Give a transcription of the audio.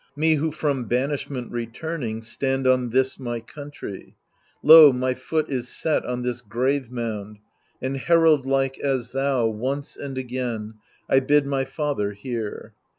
Me who from banishment returning stand On this my country ; lo, my foot is set On this grave mound, and herald like, as thou, Once and again, I bid my father hear.